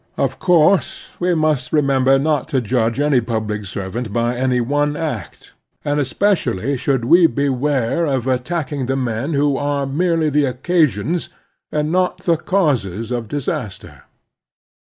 Of course we must remember not to judge any public servant by any one act, and especially should we beware of attacking the men who are merely the occasions and not the causes of dis aster.